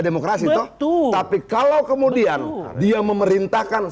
demokrasi itu tapi kalau kemudian dia memerintahkan